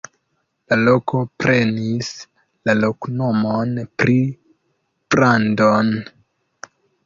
La loko prenis la loknomon pri Brandon.